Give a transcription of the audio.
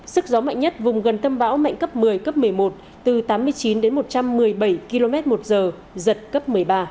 sức gió mạnh nhất vùng gần tâm bão mạnh cấp một mươi cấp một mươi một từ tám mươi chín đến một trăm một mươi bảy km một giờ giật cấp một mươi ba